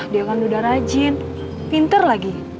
dia kan udah rajin pinter lagi